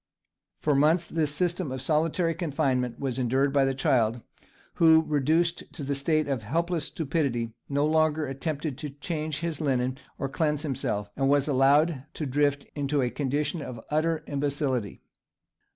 For months this system of solitary confinement was endured by the child, who, reduced to a state of helpless stupidity, no longer attempted to change his linen, or cleanse himself, and was allowed to drift into a condition of utter imbecility.